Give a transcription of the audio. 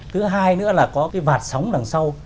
thứ hai nữa là có cái vạt sóng đằng sau